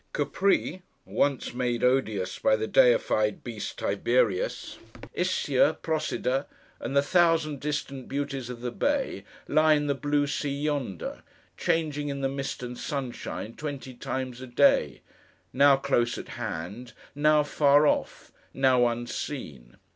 Capri—once made odious by the deified beast Tiberius—Ischia, Procida, and the thousand distant beauties of the Bay, lie in the blue sea yonder, changing in the mist and sunshine twenty times a day: now close at hand, now far off, now unseen.